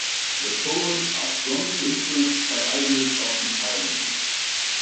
The poems are strongly influenced by ideas of messianism.